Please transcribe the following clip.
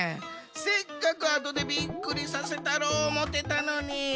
せっかくあとでビックリさせたろうおもってたのに！